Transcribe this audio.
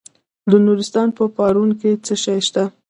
د نورستان په پارون کې څه شی شته؟